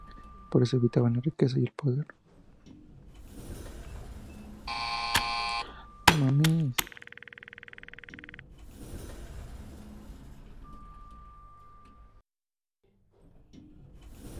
El asunto atrajo la atención de Nathaniel St.